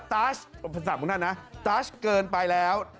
ตั๊ชเกินไปแล้ว